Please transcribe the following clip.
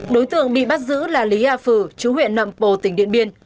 đối tượng bị bắt giữ là lý a phừ chú huyện nậm pồ tỉnh điện biên